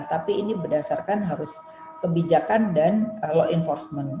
tapi ini berdasarkan harus kebijakan dan law enforcement